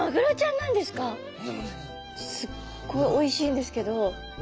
すっごいおいしいんですけどそうです。